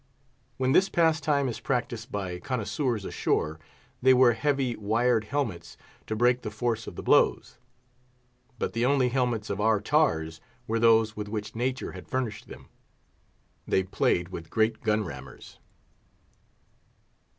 When this pastime is practiced by connoisseurs ashore, they wear heavy, wired helmets, to break the force of the blows. But the only helmets of our tars were those with which nature had furnished them. They played with great gun rammers.